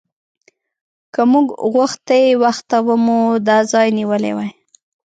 که موږ غوښتی وخته به مو دا ځای نیولی و.